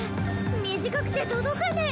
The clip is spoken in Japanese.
短くて届かねえ。